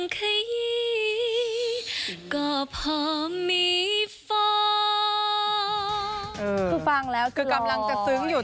คือฟังแล้วคือกำลังจะซึ้งอยู่